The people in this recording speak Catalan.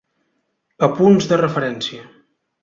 Apunts de referència.